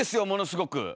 ものすごく。